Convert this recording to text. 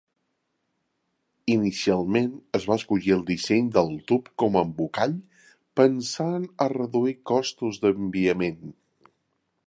Inicialment, es va escollir el disseny del tub com a embolcall pensant a reduir costos d'enviament.